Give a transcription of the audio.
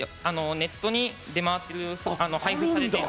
ネットに出回ってる配布されてる。